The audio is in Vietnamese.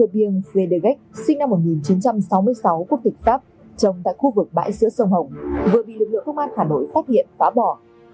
viêng sê đê gách sinh năm một nghìn chín trăm sáu mươi sáu quốc tịch tắp trồng tại khu vực bãi sữa sông hồng vừa bị lực lượng thuốc mát hà nội phát hiện phá bỏ